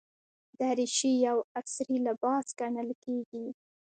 دریشي یو عصري لباس ګڼل کېږي.